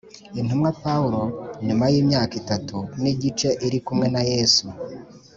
intumwa Pawulo Nyuma y imyaka itatu n igice irikumwe na Yesu